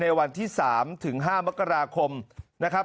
วันที่๓ถึง๕มกราคมนะครับ